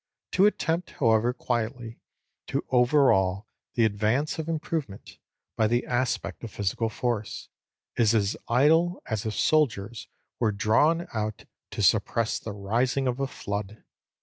To attempt, however quietly, to overawe the advance of improvement, by the aspect of physical force, is as idle as if soldiers were drawn out to suppress the rising of a flood.